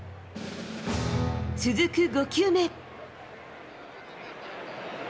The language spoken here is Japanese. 続く５球目。